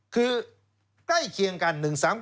คือใกล้เคียงกัน๑๓๘